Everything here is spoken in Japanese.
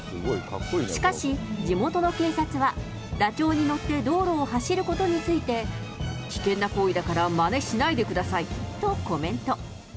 しかし、地元の警察は、ダチョウに乗って道路を走ることについて、危険な行為だから、まねしないでくださいとコメント。